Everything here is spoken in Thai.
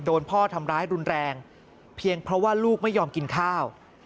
โดนพ่อทำร้ายรุนแรงเพียงเพราะว่าลูกไม่ยอมกินข้าว